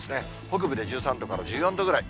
北部で１３度から１４度ぐらい。